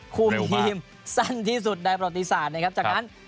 คุมทีมสั้นที่สุดในประวัติศาสตร์นะครับจากนั้น